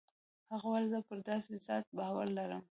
هغه وويل زه پر داسې ذات باور لرم.